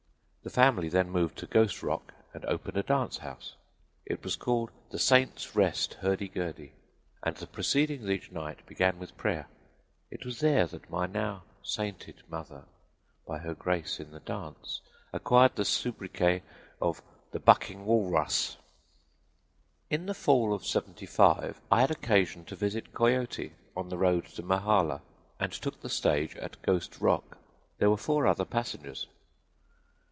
The family then moved to Ghost Rock and opened a dance house. It was called 'The Saints' Rest Hurdy Gurdy,' and the proceedings each night began with prayer. It was there that my now sainted mother, by her grace in the dance, acquired the sobriquet of 'The Bucking Walrus.' "In the fall of '75 I had occasion to visit Coyote, on the road to Mahala, and took the stage at Ghost Rock. There were four other passengers.